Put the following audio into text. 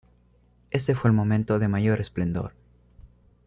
Ese fue el momento de mayor esplendor.